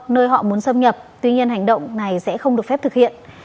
nơi họ muốn xâm nhập tuy nhiên hành động này sẽ không được phép thực hiện